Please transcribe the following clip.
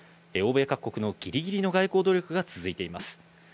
欧米各国のぎりぎりの外交努力が続いています。